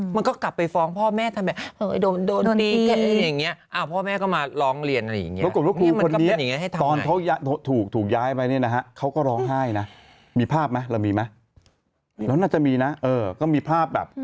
มันก็กลับไปฟองพ่อแม่ทำแบบ